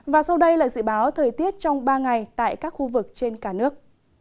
và sau đây là dự báo thời tiết trong ba ngày tại các khu vực trên cả nước